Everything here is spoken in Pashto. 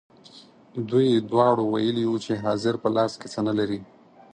دوی دواړو ویلي وو چې حاضر په لاس کې څه نه لري.